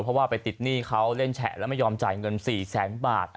เพราะว่าไปติดหนี้เขาเล่นแฉะแล้วไม่ยอมจ่ายเงิน๔แสนบาท